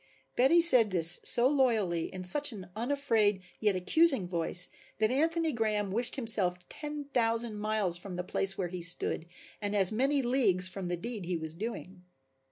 Betty said this so loyally and in such an unafraid, yet accusing voice, that Anthony Graham wished himself ten thousand miles from the place where he stood and as many leagues from the deed he was doing.